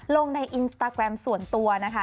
ลงในอินสตาแกรมส่วนตัวนะคะ